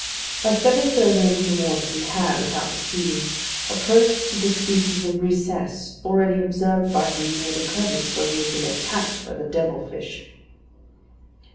By stepping further into the waters he had, without perceiving, approached to the species of recess already observed by him near the crevice where he had been attacked by the devil fish.